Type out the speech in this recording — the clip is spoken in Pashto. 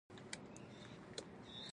له مخې حیا یې پر خپلو پټو عضلاتو لاس ونیو.